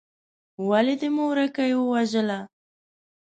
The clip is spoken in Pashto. ولې دې مورکۍ ووژله.